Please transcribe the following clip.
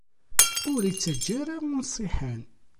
Ur ittaǧǧa ara unṣiḥen.